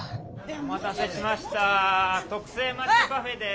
お待たせしました特製まっちゃパフェです。